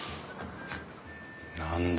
何だ？